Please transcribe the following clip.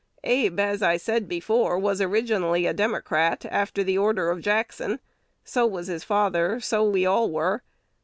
Abe, as I said before, was originally a Democrat after the order of Jackson, so was his father, so we all were....